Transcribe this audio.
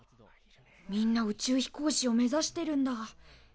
みんな宇宙飛行士を目ざしてるんだ。